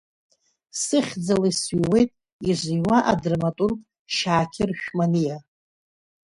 Сыхьӡала исҩуеит изыҩуа адраматург Шьаақьыр Шәманиа.